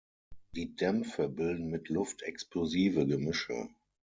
Die Dämpfe bilden mit Luft explosive Gemische.